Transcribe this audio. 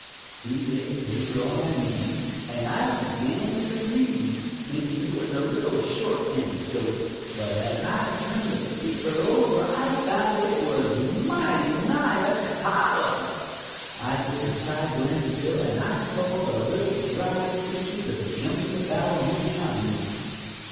He laid the paper on my knees, and I begun to read, thinkin' it was a little short anticdote, but as I turned the paper over I found it was mighty nigh a column. I took a side glance at Bill, and I saw the little dry twitches a jumpin' about on his countenance.